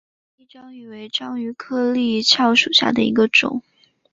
华丽章鱼为章鱼科丽蛸属下的一个种。